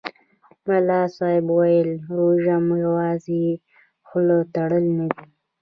ملا صاحب ویل: روژه یوازې خوله تړل نه دي.